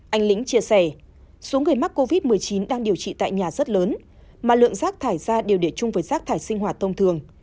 anh lĩnh chia sẻ số người mắc covid một mươi chín đang điều trị tại nhà rất lớn mà lượng rác thải ra đều để chung với rác thải sinh hoạt thông thường